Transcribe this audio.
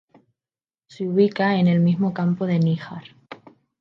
Se ubica en el mismo Campo de Níjar.